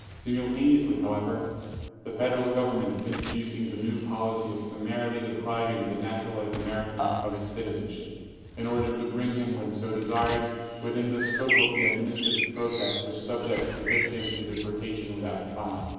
Simultaneously, however, the Federal Government is intro ducing the new policy of summarily depriving the naturalized Amer ican of his citizenship, in order to bring him when so desired, within the scope of the administrative process which subjects the victim to deportation without trial.